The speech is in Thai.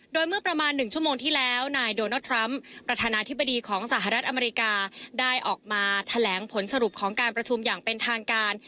โดยเมื่อประมาณ๑ชั่วโมงที่แล้วนายโดนัลดทรัมป์ประธานาธิบดีของสหรัฐอเมริกาได้ออกมาแถลงผลสรุปของการประชุมอย่างเป็นทางการ